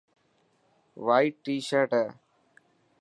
وائٽ ٽي شرٽ هي.